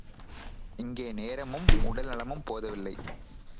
இங்கே நேரமும் உடல் நலமும் போதவில்லை.